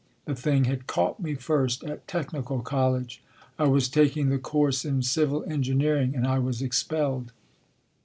The thing had caught me first at Technical College I was taking the course in civil engineering and I was expelled.